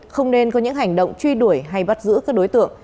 không nên có những hành động truy đuổi hay bắt giữ các đối tượng